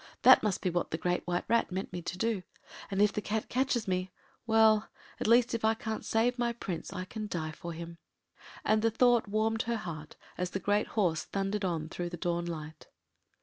That must be what the Great White Rat meant me to do. And if the Cat catches me—well, at least if I can’t save my Prince I can die for him.” And the thought warmed her heart as the great horse thundered on through the dawn light.